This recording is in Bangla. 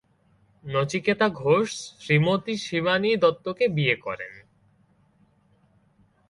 নচিকেতা ঘোষ শ্রীমতী শিবানী দত্তকে বিয়ে করেন।